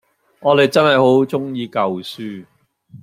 我哋真係好鍾意舊書